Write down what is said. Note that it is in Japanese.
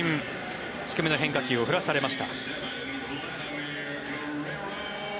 低めの変化球を振らされました。